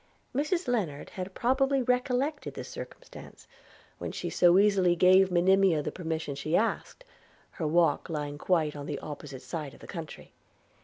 Mrs Lennard had probably recollected this circumstance when she so easily gave Monimia the permission she asked, her walk lying quite on the opposite side of the country.